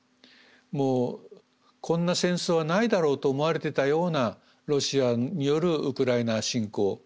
もうこんな戦争はないだろうと思われてたようなロシアによるウクライナ侵攻